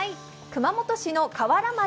熊本市の河原町